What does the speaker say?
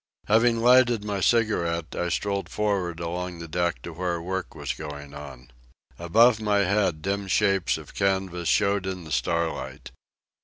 Having lighted my cigarette, I strolled for'ard along the deck to where work was going on. Above my head dim shapes of canvas showed in the starlight.